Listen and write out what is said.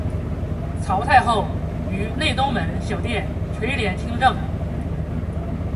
曹太后于内东门小殿垂帘听政。